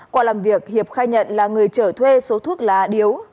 qua làm việc hiệp khai nhận là người trở thuê số thuốc lá điếu